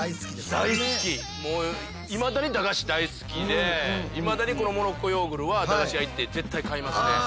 いまだに駄菓子大好きでいまだにこのモロッコヨーグルは駄菓子屋行って絶対買いますね。